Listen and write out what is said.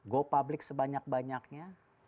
go public sebanyak banyaknya